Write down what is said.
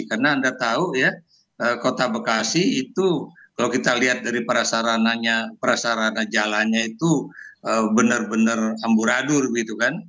karena anda tahu ya kota bekasi itu kalau kita lihat dari perasaranannya perasaranan jalannya itu benar benar amburadur gitu kan